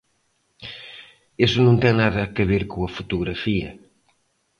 Iso non ten nada que ver coa fotografía.